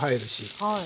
はい。